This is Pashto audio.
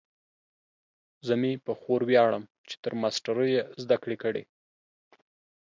زه مې په خور ویاړم چې تر ماسټرۍ یې زده کړې کړي